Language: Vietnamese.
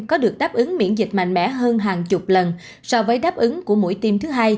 có được đáp ứng miễn dịch mạnh mẽ hơn hàng chục lần so với đáp ứng của mũi tiêm thứ hai